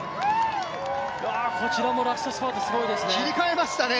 こちらもラストスパートすごいですね。